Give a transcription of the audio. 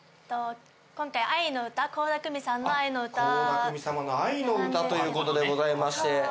今回『愛のうた』倖田來未さんの『愛のうた』。倖田來未様の『愛のうた』という事でございまして。